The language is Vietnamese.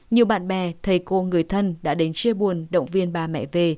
nhiều bạn bè thầy cô người thân đã đến chia buồn động viên ba mẹ v